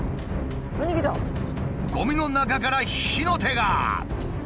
ゴミの中から火の手が。